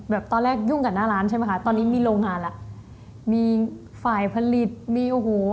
ตอนแรกยุ่งกับหน้าร้านใช่ไหมคะตอนนี้มีโรงงานแล้วมีฝ่ายผลิตมีโอ้โห